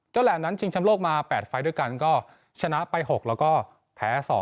แหลมนั้นชิงชำโลกมา๘ไฟล์ด้วยกันก็ชนะไป๖แล้วก็แพ้๒